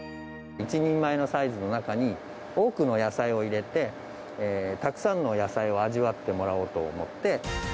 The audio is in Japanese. １人前のサイズの中に、多くの野菜を入れて、たくさんの野菜を味わってもらおうと思って。